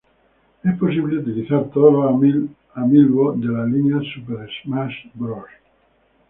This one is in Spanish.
Es posible utilizar todos los amiibo de la línea "Super Smash Bros.